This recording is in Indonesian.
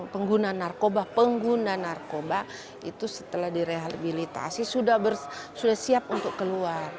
pengguna narkoba pengguna narkoba itu setelah direhabilitasi sudah siap untuk keluar